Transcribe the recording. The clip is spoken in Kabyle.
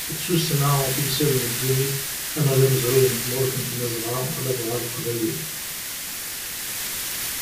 D tussna, timsal n ddunit ama d amezruy n tmurt n tmazɣa ladɣa leqbayel.